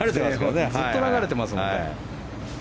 ずっと流れてますもんね。